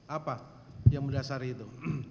apa yang mendasari itu